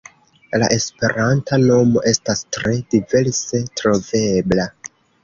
La esperanta nomo estas tre diverse trovebla.